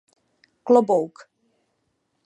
Klobouk.